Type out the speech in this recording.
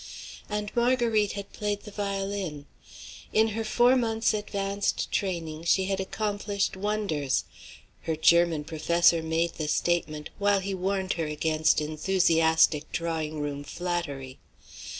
And Marguerite had played the violin. In her four months' advanced training she had accomplished wonders. Her German professor made the statement, while he warned her against enthusiastic drawing room flattery.